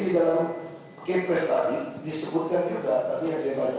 jadi di dalam kepres tadi disebutkan juga tadi yang saya baca